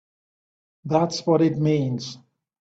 That's what it means!